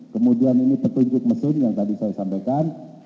kemudian ini petunjuk mesin yang tadi saya sampaikan